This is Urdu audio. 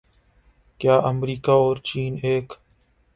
کیا امریکہ اور چین ایک